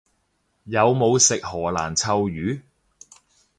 有冇食荷蘭臭魚？